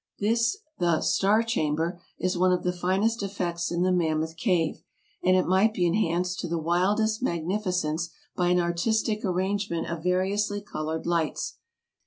This, the '' Star Chamber, '' is one of the finest effects in the Mam moth Cave, and it might be enhanced to the wildest mag nificence by an artistic arrangement of variously colored lights.